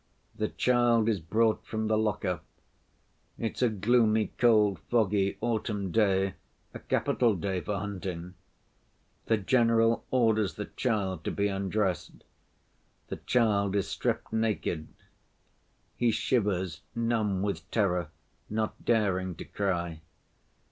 The child is brought from the lock‐up. It's a gloomy, cold, foggy autumn day, a capital day for hunting. The general orders the child to be undressed; the child is stripped naked. He shivers, numb with terror, not daring to cry....